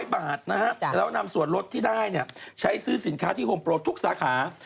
๐บาทนะฮะแล้วนำส่วนลดที่ได้ใช้ซื้อสินค้าที่โฮมโปรทุกสาขา